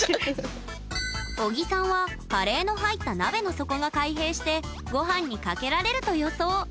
尾木さんはカレーの入った鍋の底が開閉してごはんにかけられると予想。